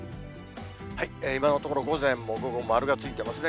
今のところ午前も午後も丸がついていますね。